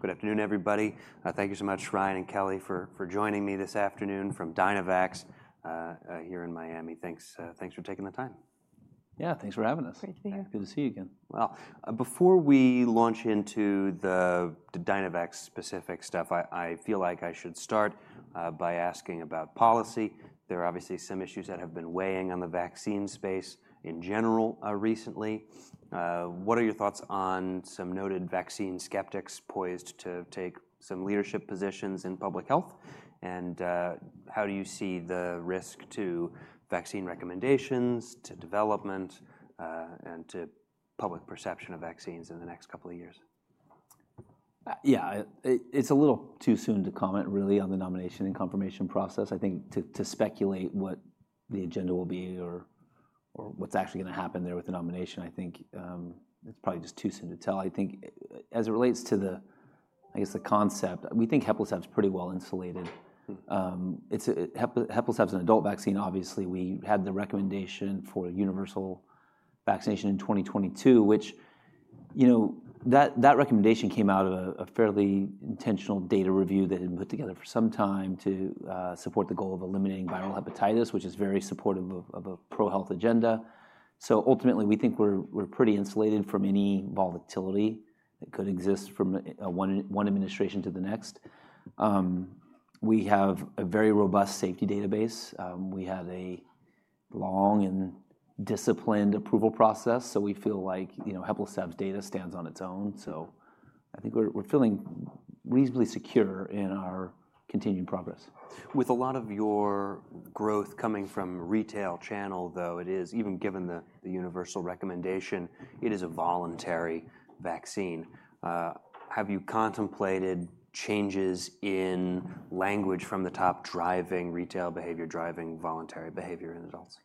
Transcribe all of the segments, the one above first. Good afternoon, everybody. Thank you so much, Ryan and Kelly, for joining me this afternoon from Dynavax here in Miami. Thanks for taking the time. Yeah, thanks for having us. Great to be back. Good to see you again. Before we launch into the Dynavax-specific stuff, I feel like I should start by asking about policy. There are obviously some issues that have been weighing on the vaccine space in general recently. What are your thoughts on some noted vaccine skeptics poised to take some leadership positions in public health? And how do you see the risk to vaccine recommendations, to development, and to public perception of vaccines in the next couple of years? Yeah, it's a little too soon to comment, really, on the nomination and confirmation process. I think to speculate what the agenda will be or what's actually going to happen there with the nomination, I think it's probably just too soon to tell. I think as it relates to the, I guess, the concept, we think HEPLISAV-B is pretty well insulated. HEPLISAV-B is an adult vaccine, obviously. We had the recommendation for universal vaccination in 2022, which, you know, that recommendation came out of a fairly intentional data review that had been put together for some time to support the goal of eliminating viral hepatitis, which is very supportive of a pro-health agenda. So ultimately, we think we're pretty insulated from any volatility that could exist from one administration to the next. We have a very robust safety database. We had a long and disciplined approval process, so we feel like HEPLISAV-B data stands on its own. So I think we're feeling reasonably secure in our continued progress. With a lot of your growth coming from retail channel, though, it is, even given the universal recommendation, it is a voluntary vaccine. Have you contemplated changes in language from the top driving retail behavior, driving voluntary behavior in adults?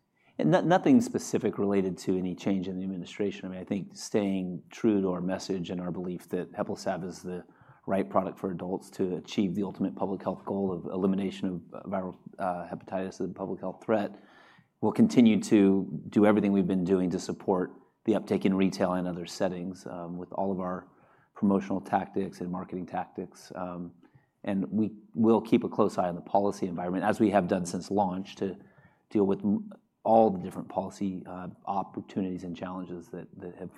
Nothing specific related to any change in the administration. I mean, I think staying true to our message and our belief that HEPLISAV-B is the right product for adults to achieve the ultimate public health goal of elimination of viral hepatitis as a public health threat. We'll continue to do everything we've been doing to support the uptake in retail and other settings with all of our promotional tactics and marketing tactics, and we will keep a close eye on the policy environment, as we have done since launch, to deal with all the different policy opportunities and challenges that have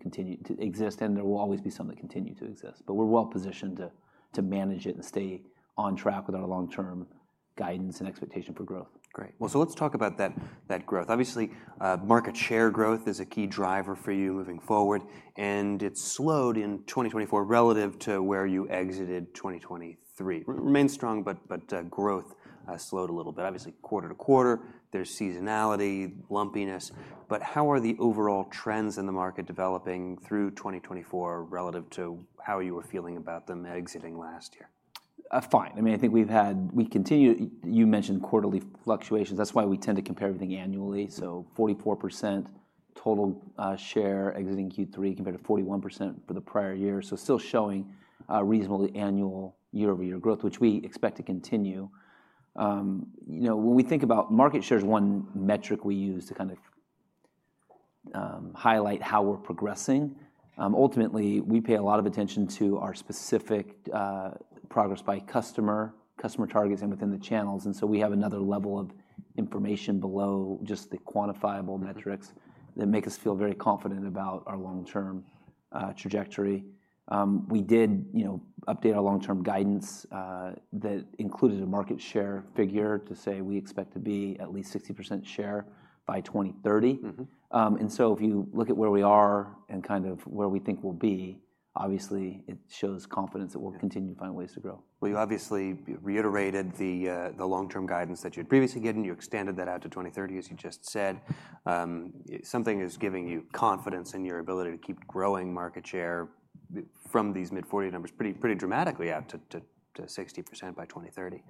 continued to exist, and there will always be some that continue to exist. But we're well positioned to manage it and stay on track with our long-term guidance and expectation for growth. Great. Well, so let's talk about that growth. Obviously, market share growth is a key driver for you moving forward. And it slowed in 2024 relative to where you exited 2023. Remained strong, but growth slowed a little bit. Obviously, quarter to quarter, there's seasonality, lumpiness. But how are the overall trends in the market developing through 2024 relative to how you were feeling about them exiting last year? Fine. I mean, I think we've had, we continue, you mentioned quarterly fluctuations. That's why we tend to compare everything annually, so 44% total share exiting Q3 compared to 41% for the prior year, so still showing reasonably annual year-over-year growth, which we expect to continue. You know, when we think about market share, one metric we use to kind of highlight how we're progressing, ultimately, we pay a lot of attention to our specific progress by customer, customer targets, and within the channels, and so we have another level of information below just the quantifiable metrics that make us feel very confident about our long-term trajectory. We did, you know, update our long-term guidance that included a market share figure to say we expect to be at least 60% share by 2030. If you look at where we are and kind of where we think we'll be, obviously, it shows confidence that we'll continue to find ways to grow. You obviously reiterated the long-term guidance that you'd previously given. You extended that out to 2030, as you just said. Something is giving you confidence in your ability to keep growing market share from these mid-40 numbers pretty dramatically out to 60% by 2030.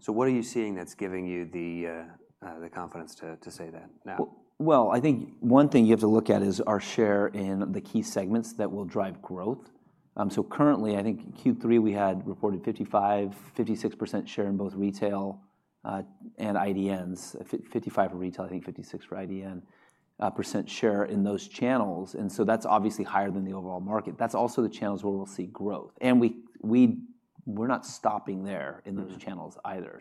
So what are you seeing that's giving you the confidence to say that now? I think one thing you have to look at is our share in the key segments that will drive growth. Currently, I think Q3 we had reported 55%-56% share in both retail and IDNs, 55% for retail, I think 56% for IDN percent share in those channels. That's obviously higher than the overall market. That's also the channels where we'll see growth. We're not stopping there in those channels either.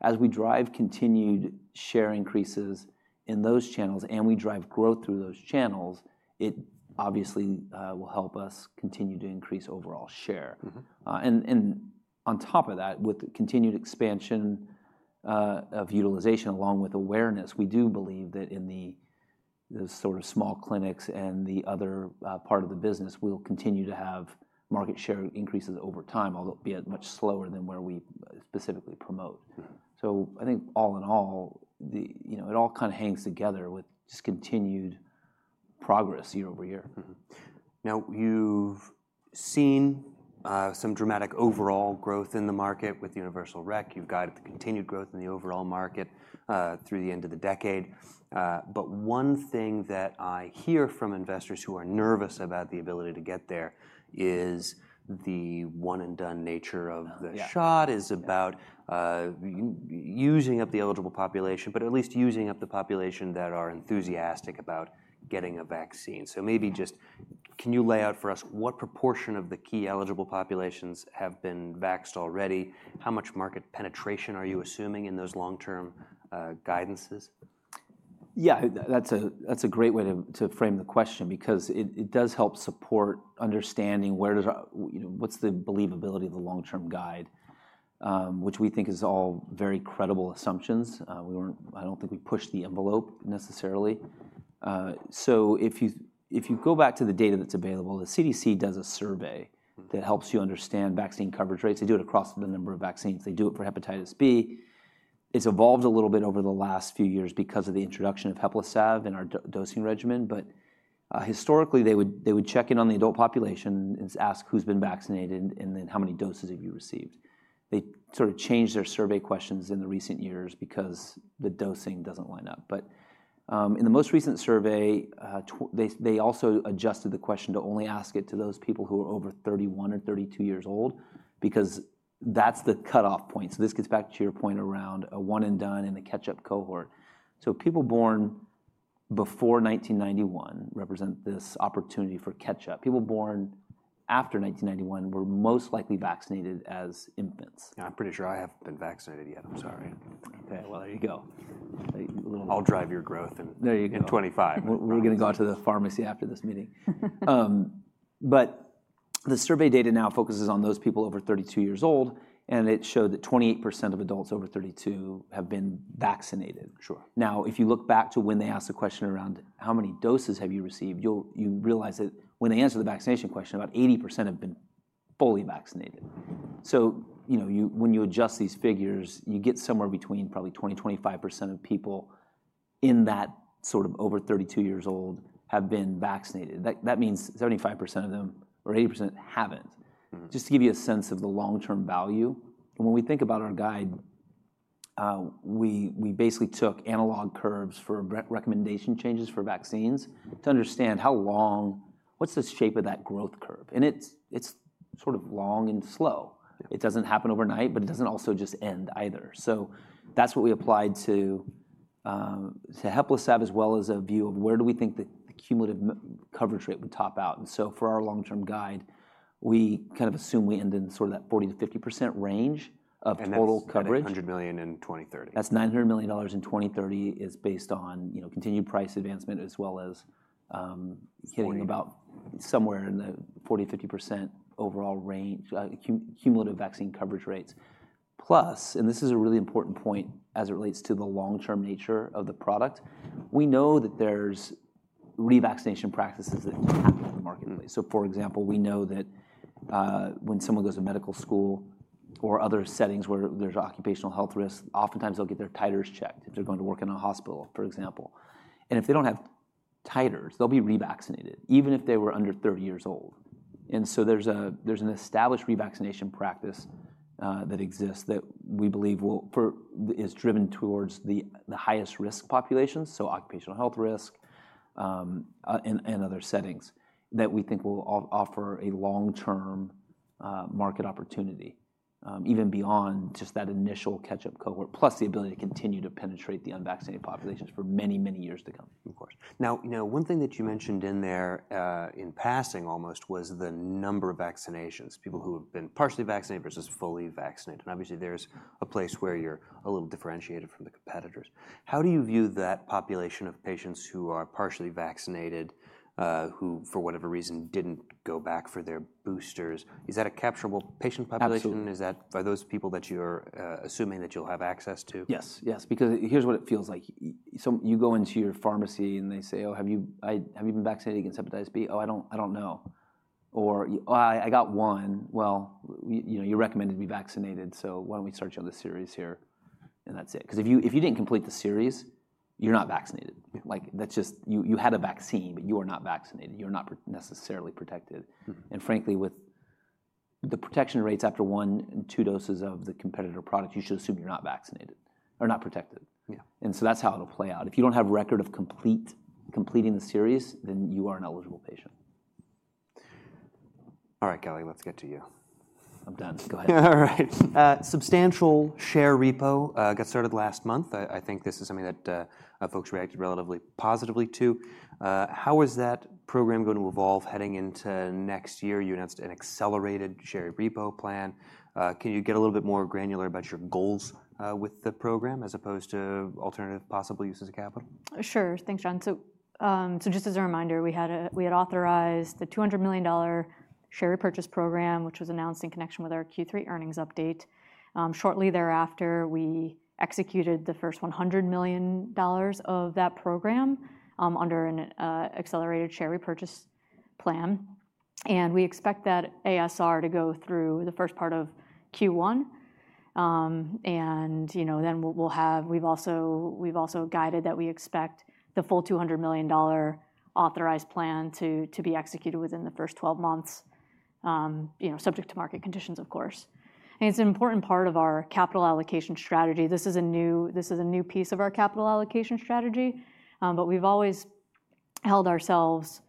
As we drive continued share increases in those channels and we drive growth through those channels, it obviously will help us continue to increase overall share. And on top of that, with continued expansion of utilization along with awareness, we do believe that in the sort of small clinics and the other part of the business, we'll continue to have market share increases over time, although it'll be much slower than where we specifically promote. So I think all in all, you know, it all kind of hangs together with just continued progress year over year. Now, you've seen some dramatic overall growth in the market with universal rec. You've guided the continued growth in the overall market through the end of the decade. But one thing that I hear from investors who are nervous about the ability to get there is the one-and-done nature of the shot is about using up the eligible population, but at least using up the population that are enthusiastic about getting a vaccine. So maybe just can you lay out for us what proportion of the key eligible populations have been vaxxed already? How much market penetration are you assuming in those long-term guidances? Yeah, that's a great way to frame the question because it does help support understanding where does, you know, what's the believability of the long-term guide, which we think is all very credible assumptions. We weren't, I don't think we pushed the envelope necessarily. So if you go back to the data that's available, the CDC does a survey that helps you understand vaccine coverage rates. They do it across the number of vaccines. They do it for hepatitis B. It's evolved a little bit over the last few years because of the introduction of HEPLISAV-B and our dosing regimen. But historically, they would check in on the adult population and ask who's been vaccinated and then how many doses have you received. They sort of changed their survey questions in the recent years because the dosing doesn't line up. But in the most recent survey, they also adjusted the question to only ask it to those people who are over 31 or 32 years old because that's the cutoff point. So this gets back to your point around a one-and-done and the catch-up cohort. So people born before 1991 represent this opportunity for catch-up. People born after 1991 were most likely vaccinated as infants. I'm pretty sure I haven't been vaccinated yet. I'm sorry. Okay, well, there you go. I'll drive your growth in 2025. There you go. We're going to go out to the pharmacy after this meeting. But the survey data now focuses on those people over 32 years old. And it showed that 28% of adults over 32 have been vaccinated. Now, if you look back to when they asked the question around how many doses have you received, you realize that when they answer the vaccination question, about 80% have been fully vaccinated. So, you know, when you adjust these figures, you get somewhere between probably 20-25% of people in that sort of over 32 years old have been vaccinated. That means 75% of them or 80% haven't. Just to give you a sense of the long-term value. And when we think about our guide, we basically took analog curves for recommendation changes for vaccines to understand how long, what's the shape of that growth curve. It's sort of long and slow. It doesn't happen overnight, but it doesn't also just end either. That's what we applied to HEPLISAV-B as well as a view of where do we think that the cumulative coverage rate would top out. For our long-term guide, we kind of assume we end in sort of that 40%-50% range of total coverage. That's $900 million in 2030. That's $900 million in 2030 is based on, you know, continued price advancement as well as hitting about somewhere in the 40%-50% overall range, cumulative vaccine coverage rates. Plus, and this is a really important point as it relates to the long-term nature of the product, we know that there's revaccination practices that happen in the marketplace. So for example, we know that when someone goes to medical school or other settings where there's occupational health risk, oftentimes they'll get their titers checked if they're going to work in a hospital, for example. And if they don't have titers, they'll be revaccinated even if they were under 30 years old. There's an established revaccination practice that exists that we believe will, is driven towards the highest risk populations, so occupational health risk and other settings that we think will offer a long-term market opportunity even beyond just that initial catch-up cohort, plus the ability to continue to penetrate the unvaccinated populations for many, many years to come. Of course. Now, you know, one thing that you mentioned in there in passing almost was the number of vaccinations, people who have been partially vaccinated versus fully vaccinated, and obviously, there's a place where you're a little differentiated from the competitors. How do you view that population of patients who are partially vaccinated who, for whatever reason, didn't go back for their boosters? Is that a capturable patient population? Is that for those people that you're assuming that you'll have access to? Yes, yes. Because here's what it feels like. So you go into your pharmacy and they say, "Oh, have you been vaccinated against hepatitis B?" "Oh, I don't know." Or, "Oh, I got one." "Well, you know, you recommended to be vaccinated, so why don't we start you on the series here?" And that's it. Because if you didn't complete the series, you're not vaccinated. Like, that's just, you had a vaccine, but you are not vaccinated. You're not necessarily protected. And frankly, with the protection rates after one and two doses of the competitor product, you should assume you're not vaccinated or not protected. And so that's how it'll play out. If you don't have a record of completing the series, then you are an eligible patient. All right, Kelly, let's get to you. I'm done. Go ahead. All right. Substantial share repo got started last month. I think this is something that folks reacted relatively positively to. How is that program going to evolve heading into next year? You announced an accelerated share repo plan. Can you get a little bit more granular about your goals with the program as opposed to alternative possible uses of capital? Sure. Thanks, John, so just as a reminder, we had authorized the $200 million share repurchase program, which was announced in connection with our Q3 earnings update. Shortly thereafter, we executed the first $100 million of that program under an accelerated share repurchase plan, and we expect that ASR to go through the first part of Q1, and, you know, then we'll have, we've also guided that we expect the full $200 million authorized plan to be executed within the first 12 months, you know, subject to market conditions, of course, and it's an important part of our capital allocation strategy. This is a new piece of our capital allocation strategy, but we've always held ourselves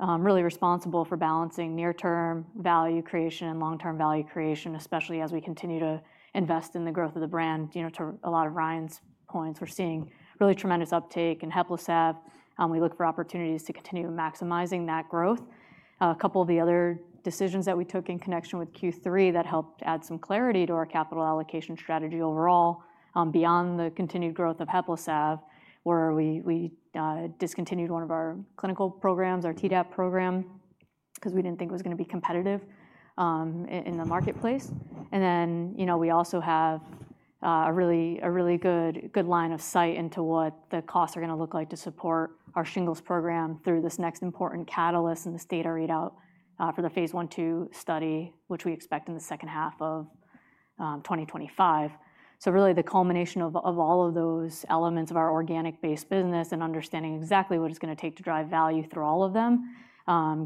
really responsible for balancing near-term value creation and long-term value creation, especially as we continue to invest in the growth of the brand. You know, to a lot of Ryan's points, we're seeing really tremendous uptake in HEPLISAV-B. We look for opportunities to continue maximizing that growth. A couple of the other decisions that we took in connection with Q3 that helped add some clarity to our capital allocation strategy overall beyond the continued growth of HEPLISAV-B, where we discontinued one of our clinical programs, our Tdap program, because we didn't think it was going to be competitive in the marketplace, and then, you know, we also have a really good line of sight into what the costs are going to look like to support our shingles program through this next important catalyst and the data readout for the Phase I/II study, which we expect in the second half of 2025. So really the culmination of all of those elements of our organic-based business and understanding exactly what it's going to take to drive value through all of them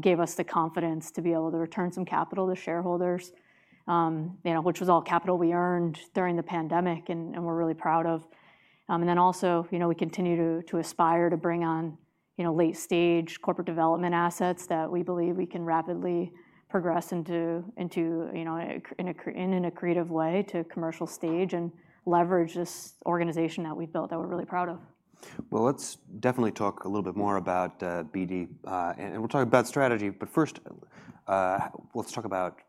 gave us the confidence to be able to return some capital to shareholders, you know, which was all capital we earned during the pandemic and we're really proud of. And then also, you know, we continue to aspire to bring on, you know, late-stage corporate development assets that we believe we can rapidly progress into, you know, in a creative way to commercial stage and leverage this organization that we've built that we're really proud of. Let's definitely talk a little bit more about BD. We'll talk about strategy. First, let's talk about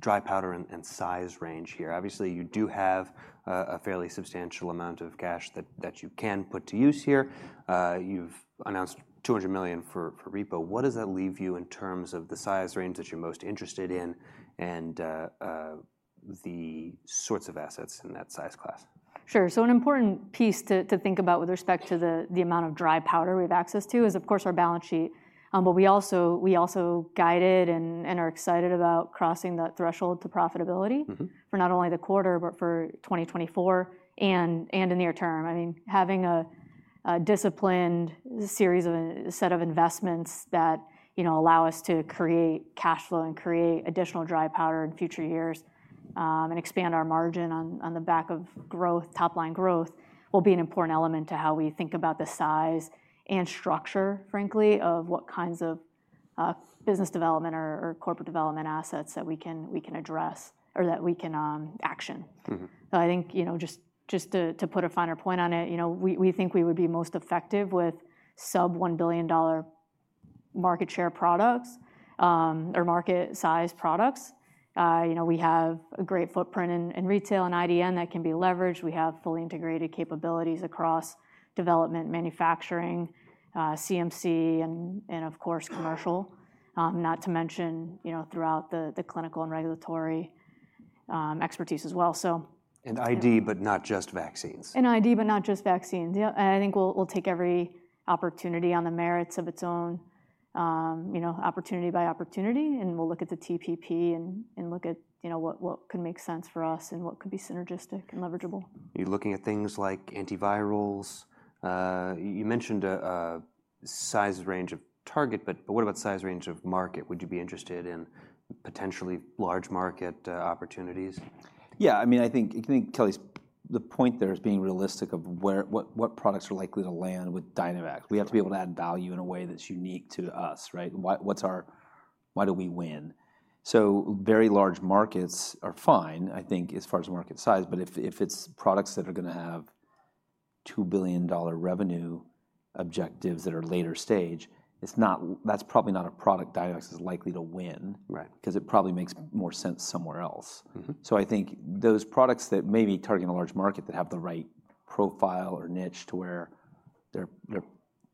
dry powder and size range here. Obviously, you do have a fairly substantial amount of cash that you can put to use here. You've announced $200 million for repo. What does that leave you in terms of the size range that you're most interested in and the sorts of assets in that size class? Sure. So an important piece to think about with respect to the amount of dry powder we have access to is, of course, our balance sheet. But we also guided and are excited about crossing that threshold to profitability for not only the quarter, but for 2024 and the near term. I mean, having a disciplined series of a set of investments that, you know, allow us to create cash flow and create additional dry powder in future years and expand our margin on the back of growth, top-line growth will be an important element to how we think about the size and structure, frankly, of what kinds of business development or corporate development assets that we can address or that we can act on. I think, you know, just to put a finer point on it, you know, we think we would be most effective with sub-$1 billion market share products or market-sized products. You know, we have a great footprint in retail and IDN that can be leveraged. We have fully integrated capabilities across development, manufacturing, CMC, and of course, commercial, not to mention, you know, throughout the clinical and regulatory expertise as well. And IDN, but not just vaccines. And IDN, but not just vaccines. Yeah. And I think we'll take every opportunity on its own merits, you know, opportunity by opportunity. And we'll look at the TPP and look at, you know, what could make sense for us and what could be synergistic and leverageable. You're looking at things like antivirals. You mentioned a size range of target, but what about size range of market? Would you be interested in potentially large market opportunities? Yeah, I mean, I think, Kelly, the point there is being realistic of what products are likely to land with Dynavax. We have to be able to add value in a way that's unique to us, right? What's our, why do we win? So very large markets are fine, I think, as far as market size. But if it's products that are going to have $2 billion revenue objectives that are later stage, it's not, that's probably not a product Dynavax is likely to win because it probably makes more sense somewhere else. So I think those products that may be targeting a large market that have the right profile or niche to where their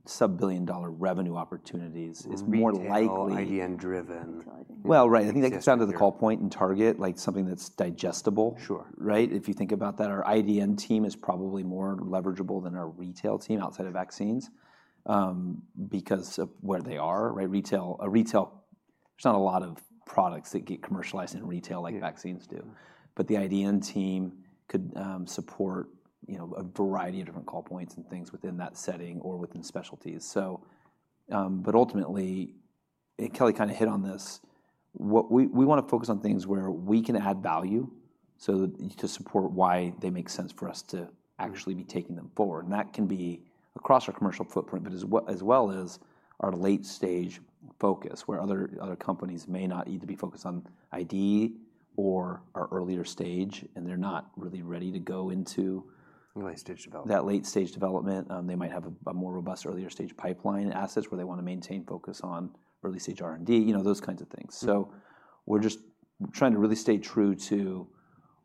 sub-billion dollar revenue opportunities is more likely. IDN driven. Right. I think that gets down to the call point and target, like something that's digestible, right? If you think about that, our IDN team is probably more leverageable than our retail team outside of vaccines because of where they are, right? Retail, there's not a lot of products that get commercialized in retail like vaccines do. But the IDN team could support, you know, a variety of different call points and things within that setting or within specialties. So, but ultimately, Kelly kind of hit on this. We want to focus on things where we can add value to support why they make sense for us to actually be taking them forward. That can be across our commercial footprint, but as well as our late-stage focus where other companies may not need to be focused on ID or our earlier stage and they're not really ready to go into. Late-stage development. That late-stage development. They might have a more robust earlier stage pipeline assets where they want to maintain focus on early-stage R&D, you know, those kinds of things. So we're just trying to really stay true to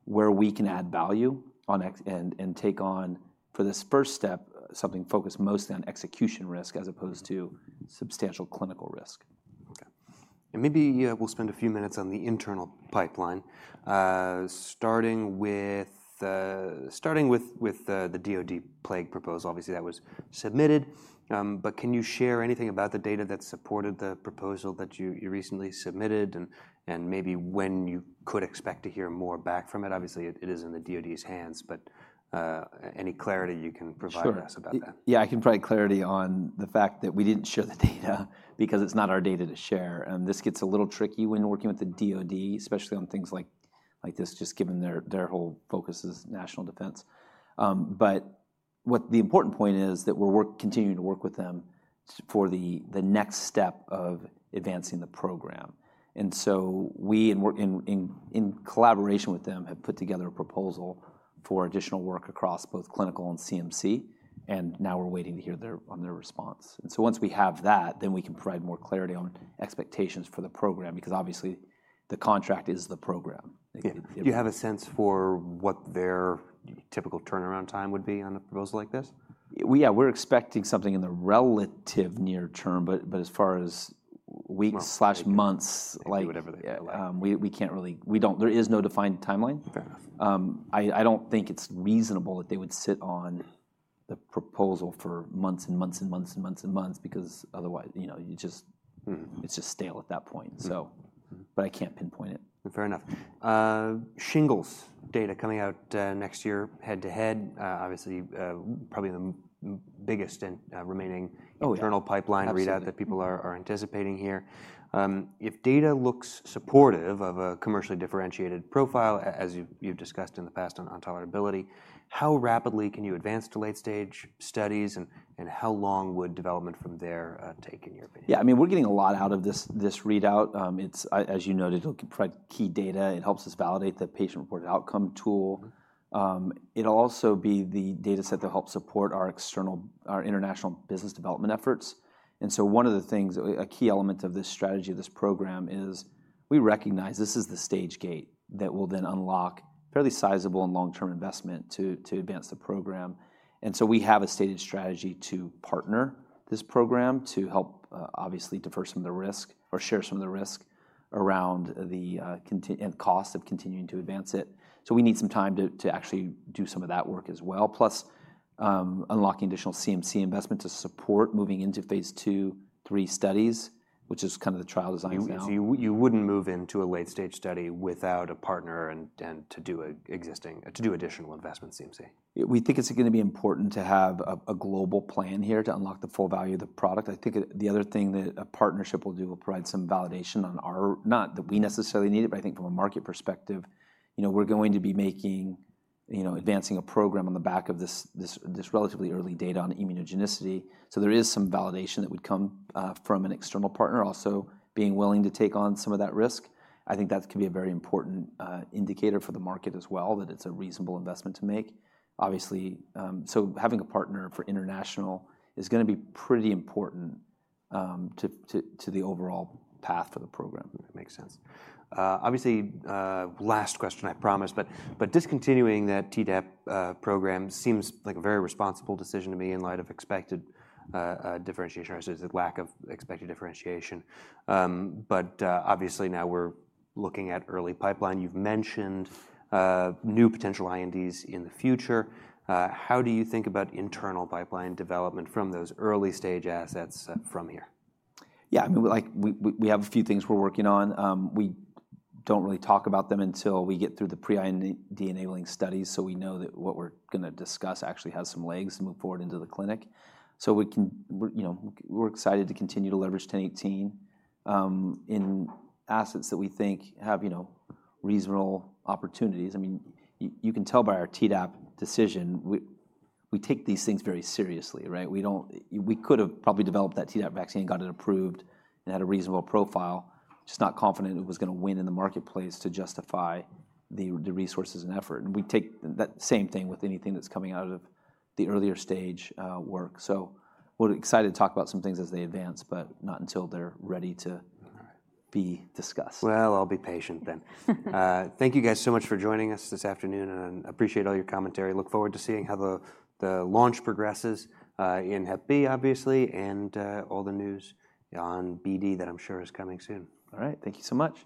where we can add value and take on for this first step, something focused mostly on execution risk as opposed to substantial clinical risk. Okay. And maybe we'll spend a few minutes on the internal pipeline. Starting with the DoD plague proposal, obviously that was submitted. But can you share anything about the data that supported the proposal that you recently submitted and maybe when you could expect to hear more back from it? Obviously, it is in the DoD's hands, but any clarity you can provide us about that? Sure. Yeah, I can provide clarity on the fact that we didn't share the data because it's not our data to share. And this gets a little tricky when working with the DoD, especially on things like this, just given their whole focus is national defense. But the important point is that we're continuing to work with them for the next step of advancing the program. And so we, in collaboration with them, have put together a proposal for additional work across both clinical and CMC. And now we're waiting to hear on their response. And so once we have that, then we can provide more clarity on expectations for the program because obviously the contract is the program. Do you have a sense for what their typical turnaround time would be on a proposal like this? Yeah, we're expecting something in the relative near term, but as far as weeks slash months. Months, whatever they like. We can't really. There is no defined timeline. I don't think it's reasonable that they would sit on the proposal for months and months and months and months and months because otherwise, you know, it's just stale at that point. So, but I can't pinpoint it. Fair enough. Shingles data coming out next year head-to-head, obviously probably the biggest remaining internal pipeline readout that people are anticipating here. If data looks supportive of a commercially differentiated profile, as you've discussed in the past on tolerability, how rapidly can you advance to late-stage studies and how long would development from there take in your opinion? Yeah, I mean, we're getting a lot out of this readout. It's, as you noted, key data. It helps us validate the patient-reported outcome tool. It'll also be the data set that helps support our international business development efforts. And so one of the things, a key element of this strategy of this program is we recognize this is the stage gate that will then unlock fairly sizable and long-term investment to advance the program. And so we have a stated strategy to partner this program to help obviously defer some of the risk or share some of the risk around the cost of continuing to advance it. So we need some time to actually do some of that work as well. Plus unlocking additional CMC investment to support moving into phase two, three studies, which is kind of the trial design now. You wouldn't move into a late-stage study without a partner and to do additional investment in CMC? We think it's going to be important to have a global plan here to unlock the full value of the product. I think the other thing that a partnership will do will provide some validation on our, not that we necessarily need it, but I think from a market perspective, you know, we're going to be making, you know, advancing a program on the back of this relatively early data on immunogenicity. So there is some validation that would come from an external partner also being willing to take on some of that risk. I think that could be a very important indicator for the market as well that it's a reasonable investment to make. Obviously, so having a partner for international is going to be pretty important to the overall path for the program. That makes sense. Obviously, last question, I promise, but discontinuing that Tdap program seems like a very responsible decision to me in light of expected differentiation, or is it lack of expected differentiation? But obviously now we're looking at early pipeline. You've mentioned new potential INDs in the future. How do you think about internal pipeline development from those early-stage assets from here? Yeah, I mean, like we have a few things we're working on. We don't really talk about them until we get through the pre-IND enabling studies, so we know that what we're going to discuss actually has some legs to move forward into the clinic, so we can, you know, we're excited to continue to leverage 1018 in assets that we think have, you know, reasonable opportunities. I mean, you can tell by our Tdap decision, we take these things very seriously, right? We could have probably developed that Tdap vaccine and got it approved and had a reasonable profile, just not confident it was going to win in the marketplace to justify the resources and effort, and we take that same thing with anything that's coming out of the earlier stage work. So we're excited to talk about some things as they advance, but not until they're ready to be discussed. I'll be patient then. Thank you guys so much for joining us this afternoon. I appreciate all your commentary. Look forward to seeing how the launch progresses in Hep B, obviously, and all the news on BD that I'm sure is coming soon. All right. Thank you so much.